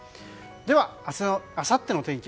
では、明日あさっての天気